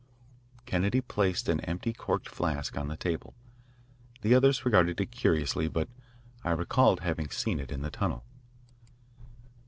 Kennedy placed an empty corked flask on the table. The others regarded it curiously, but I recalled having seen it in the tunnel.